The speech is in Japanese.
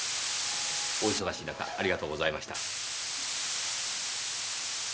お忙しい中ありがとうございました。